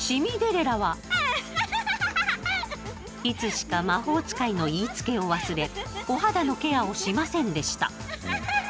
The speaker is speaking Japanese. いつしか魔法使いの言いつけを忘れお肌のケアをしませんでした。